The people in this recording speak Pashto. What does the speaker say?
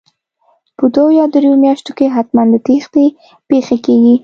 په دوو یا درو میاشتو کې حتمن د تېښتې پېښې کیږي